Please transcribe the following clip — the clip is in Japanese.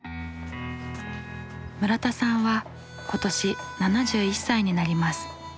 村田さんは今年７１歳になります。